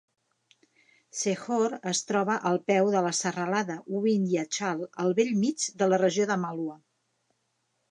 Sehore es troba al peu de la serralada Vindhyachal al bell mig de la regió de Malwa.